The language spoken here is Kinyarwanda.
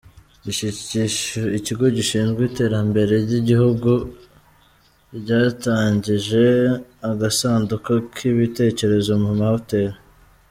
Ikigo gishinzwe iterambere ryigihugu cyatangije agasanduku k’ibitekerezo mu mahoteli